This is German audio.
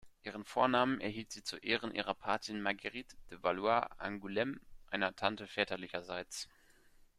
Ihren Vornamen erhielt sie zu Ehren ihrer Patin Marguerite de Valois-Angoulême, einer Tante väterlicherseits.